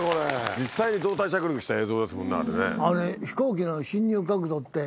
実際に胴体着陸した映像ですもんねあれね。